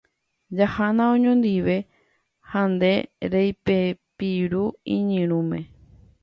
Jahána oñondive ha nde reipepirũ iñirũme.